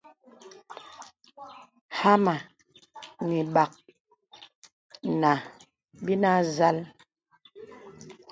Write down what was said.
Hāmà nə̀ ibàk nǎ binə̀ á zal.